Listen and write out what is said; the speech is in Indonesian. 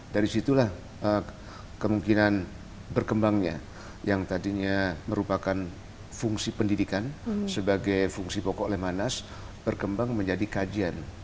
dari situlah kemungkinan berkembangnya yang tadinya merupakan fungsi pendidikan sebagai fungsi pokok lemanas berkembang menjadi kajian